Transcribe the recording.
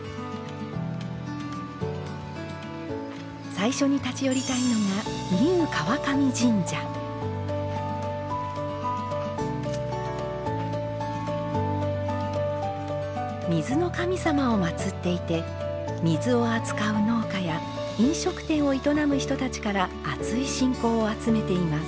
最初に立ち寄りたいのが水の神様をまつっていて水を扱う農家や飲食店を営む人たちからあつい信仰を集めています。